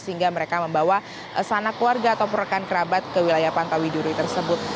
sehingga mereka membawa sanak keluarga atau perekan kerabat ke wilayah pantai widuri tersebut